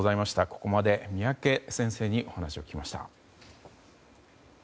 ここまで三宅先生にお話を聞きました。